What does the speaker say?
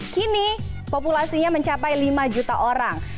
kini populasinya mencapai lima juta orang